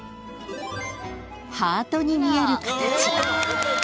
［ハートに見える形］